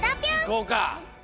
いこうか！